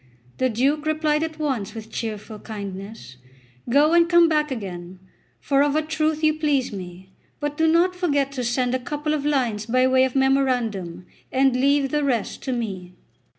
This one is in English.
The Duke replied at once with cheerful kindness: "Go and come back again, for of a truth you please me; but do not forget to send a couple of lines by way of memorandum, and leave the rest to me."